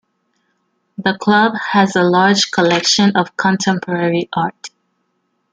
The Club has a large collection of contemporary art.